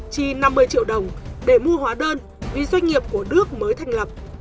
chi năm mươi triệu đồng để mua hóa đơn vì doanh nghiệp của đức mới thành lập